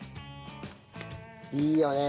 いいよね。